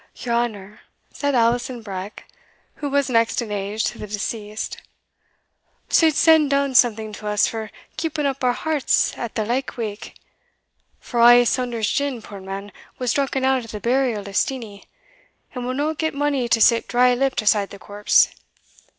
"Your honour," said Alison Breck, who was next in age to the deceased, "suld send doun something to us for keeping up our hearts at the lykewake, for a' Saunders's gin, puir man, was drucken out at the burial o' Steenie, and we'll no get mony to sit dry lipped aside the corpse.